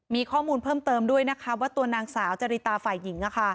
มีข้อมูลเพิ่มเติมด้วยนะคะว่าตัวนางสาวจริตาฝ่ายหญิง